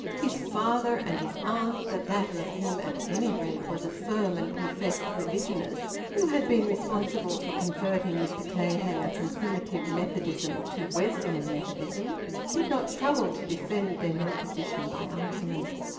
His father and his aunt (the latter of whom at any rate was a firm and confessed religionist, who had been responsible for converting Mr Clayhanger from Primitive Methodism to Wesleyan Methodism) did not trouble to defend their new position by argument.